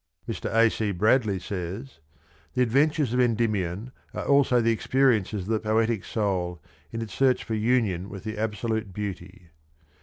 Mr. A. C. Bradley says^ :" The adventures of Endymion are also the experiences of the poetic soul in its search for union ^ with the^absolute Beauty."